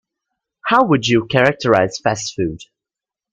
How would you characterize fast food?